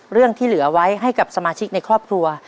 เรื่องที่เหลือไว้ให้กับสมาชิกในครอบครัว